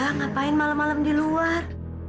ya ngapain malam malam di luar